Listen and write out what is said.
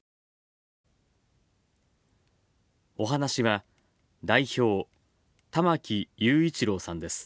お話しは、代表玉木雄一郎さんです。